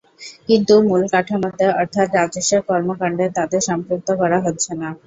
কিন্তু মূল কাঠামোতে অর্থাৎ রাজস্বের কর্মকাণ্ডে তাদের সম্পৃক্ত করা হচ্ছে না।